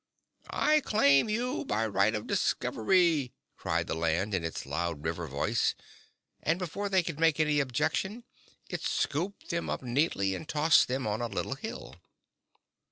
"I claim you by right of discovery," cried the Land in its loud, river voice and before they could make any objection it scooped them up neatly and tossed them on a little hill.